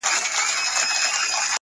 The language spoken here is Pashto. • نوره گډا مه كوه مړ به مي كړې؛